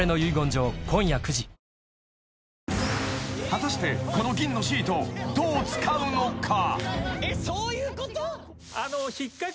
［果たしてこの銀のシートどう使うのか？］